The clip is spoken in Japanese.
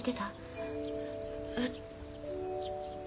えっ。